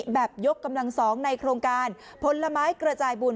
ยกกำลัง๒ในโครงการผลไม้กระจายบุญ